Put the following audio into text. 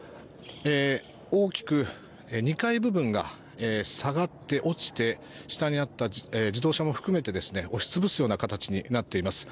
大きく２階部分が下がって落ちて下にあった自動車も含めて押し潰すような形になっています。